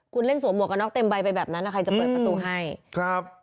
คุณเล่นสวมหวกกระน็อกเต็มใบไปแบบนั้นอ่ะใครจะเปิดประตูให้ครับ